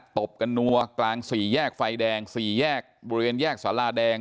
ตบกันนัวกลางสี่แยกไฟแดง๔แยกบริเวณแยกสาราแดง